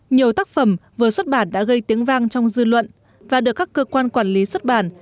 nhiều tác phẩm vừa xuất bản đã gây tiếng vang trong dư luận và được các cơ quan quản lý xuất bản